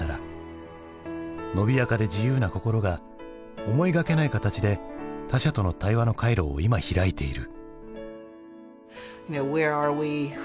のびやかで自由な心が思いがけない形で他者との対話の回路を今開いている。